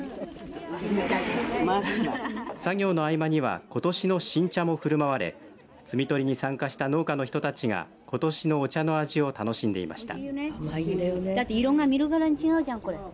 作業の合間にはことしの新茶も振る舞われ摘み取りに参加した農家の人たちがことしのお茶の味を楽しんでいました。